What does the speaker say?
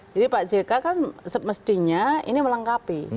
jadi pak jk kan semestinya ini melengkapi